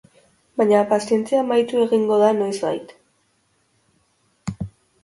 Baina pazientzia amaitu egingo da noizbait.